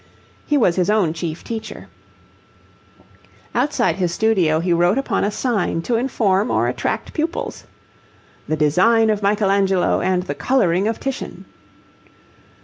He was his own chief teacher. Outside his studio he wrote upon a sign to inform or attract pupils 'The design of Michelangelo and the colouring of Titian.'